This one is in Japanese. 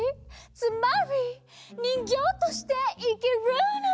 つまりにんぎょうとしていきるの！